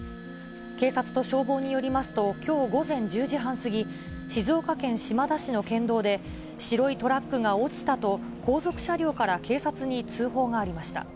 警察と消防によりますと、きょう午前１０時半過ぎ、静岡県島田市の県道で、白いトラックが落ちたと後続車両から警察に通報がありました。